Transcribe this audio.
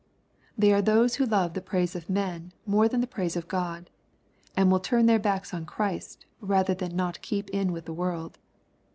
— They are those LUKE, CHAP. VI. 179 who love the praise of man more than the praise of God, and will turn their backs on Christ, rather than not keep in with the world.